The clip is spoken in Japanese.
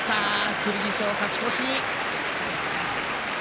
剣翔、勝ち越し。